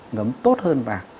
ngấm tốt hơn và